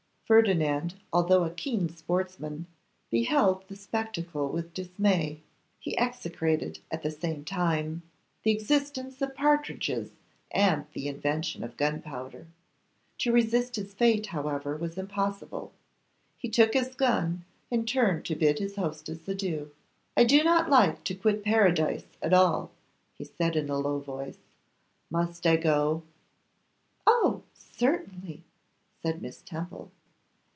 Ferdinand, although a keen sportsman, beheld the spectacle with dismay. He execrated, at the same time, the existence of partridges and the invention of gunpowder. To resist his fate, however, was impossible; he took his gun and turned to bid his hostess adieu. 'I do not like to quit Paradise at all,' he said in a low voice: 'must I go?' 'Oh! certainly,' said Miss Temple.